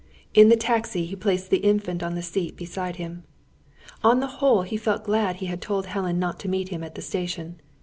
In the taxi he placed the Infant on the seat beside him. On the whole he felt glad he had told Helen not to meet him at the station.